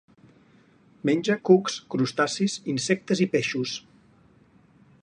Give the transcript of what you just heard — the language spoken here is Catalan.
Menja cucs, crustacis, insectes i peixos.